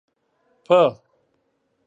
په